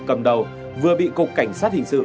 cầm đầu vừa bị cục cảnh sát hình sự